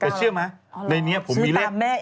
แต่เชื่อไหมในนี้ผมมีเลข